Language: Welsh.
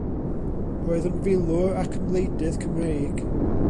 Roedd yn filwr ac yn wleidydd Cymreig.